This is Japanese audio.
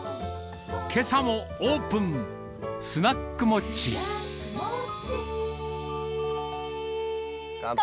けさもオープン、スナックモッチ乾杯。